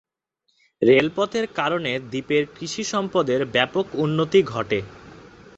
রেলপথের কারণে দ্বীপের কৃষি সম্পদের ব্যাপক উন্নতি ঘটে।